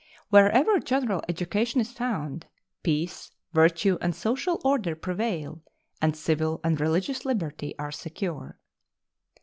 Wherever general education is found, peace, virtue, and social order prevail and civil and religious liberty are secure.